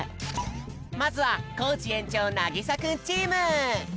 まずはコージ園長なぎさくんチーム！